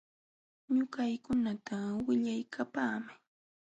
Ñuqaykunata willaykapaamay.